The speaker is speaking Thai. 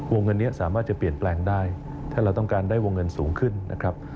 เงินนี้สามารถจะเปลี่ยนแปลงได้ถ้าเราต้องการได้วงเงินสูงขึ้นนะครับ